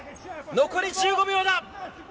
残り１５秒だ。